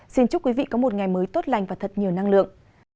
xin chúc quý vị có một ngày mới tốt lành và thật nhiều năng lượng